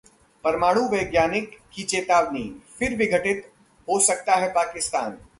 परमाणु वैज्ञानिक की चेतावनी, फिर विघटित हो सकता है पाकिस्तान